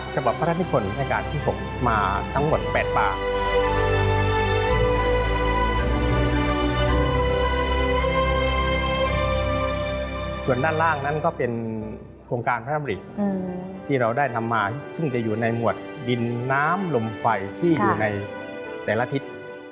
จิตรกรรมฉากบังเผลิงทั้งสี่ทิศ